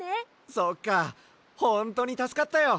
そっかほんとにたすかったよ！